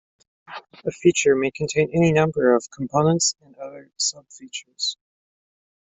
A feature may contain any number of components and other sub-features.